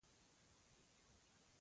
ته بيا هم د سياست په رموزو نه پوهېږې.